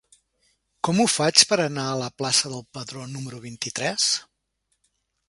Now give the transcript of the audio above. Com ho faig per anar a la plaça del Pedró número vint-i-tres?